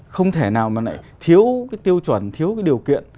không thể nào mà lại thiếu cái tiêu chuẩn thiếu cái điều kiện